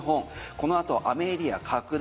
この後雨エリア拡大。